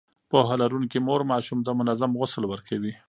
پوهه لرونکې مور ماشوم ته منظم غسل ورکوي.